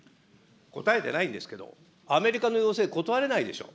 答えてないんですけど、アメリカの要請、断れないでしょ。